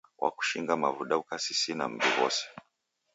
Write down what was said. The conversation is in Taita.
W'akushinga mavuda ukasisina mb'i ghose